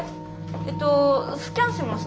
えとスキャンしました。